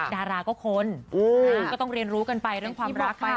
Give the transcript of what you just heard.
ดาราก็คนก็ต้องเรียนรู้กันไปเรื่องความรักไป